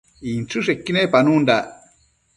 inchËshequi nepanundac